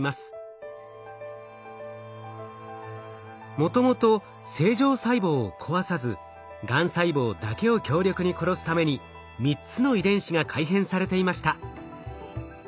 もともと正常細胞を壊さずがん細胞だけを強力に殺すために３つの遺伝子が改変されていました。